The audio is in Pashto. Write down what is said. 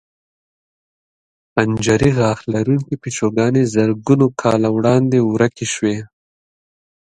خنجري غاښ لرونکې پیشوګانې زرګونو کاله وړاندې ورکې شوې.